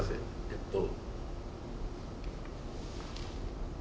えっと。